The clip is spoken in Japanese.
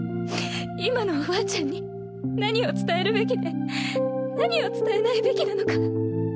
今のおばあちゃんに何を伝えるべきで何を伝えないべきなのか。